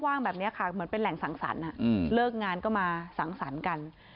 มันมาสองคนสองคนพร้อม